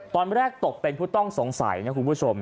ตอนแรกตกเป็นผู้ต้องสงสัยนะคุณผู้ชม